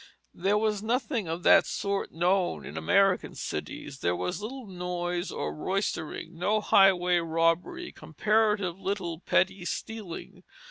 There was nothing of that sort known in American cities; there was little noise or roistering, no highway robbery, comparatively little petty stealing.